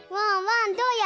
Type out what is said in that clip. どうやるの？